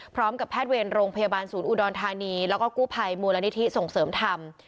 แพทย์เวรโรงพยาบาลศูนย์อุดรธานีแล้วก็กู้ภัยมูลนิธิส่งเสริมธรรม